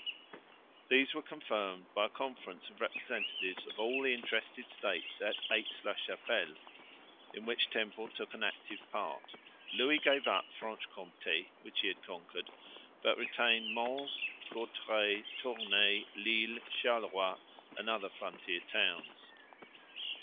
These were confirmed by a conference of representatives of all the interested States at Aix la Chapelle (May 2), in which Temple took an active part. Louis gave up Franche Comté, which he had conquered, but retained Mons, Courtrai, Tournai, Lille, Charleroi and other frontier towns.